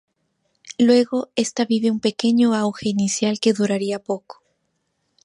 Luego esta vive un pequeño auge inicial que duraría poco.